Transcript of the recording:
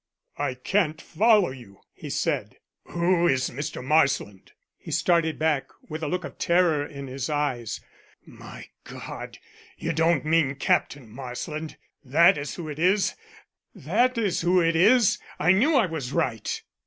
"I can't follow you," he said. "Who is Mr. Marsland?" He started back with a look of terror in his eyes. "My God, you don't mean Captain Marsland? That is who it is; that is who it is! I knew I was right."